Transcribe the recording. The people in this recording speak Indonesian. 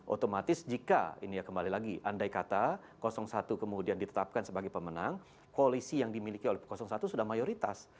otomatis jika ini ya kembali lagi andai kata satu kemudian ditetapkan sebagai pemenang koalisi yang dimiliki oleh satu sudah mayoritas